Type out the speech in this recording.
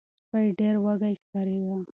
سپی ډیر وږی ښکاریده.